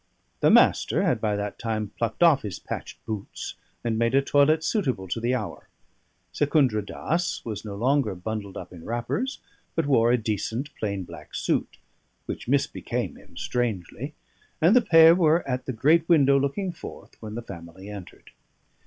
The Master had by that time plucked off his patched boots and made a toilet suitable to the hour; Secundra Dass was no longer bundled up in wrappers, but wore a decent plain black suit, which misbecame him strangely; and the pair were at the great window, looking forth, when the family entered.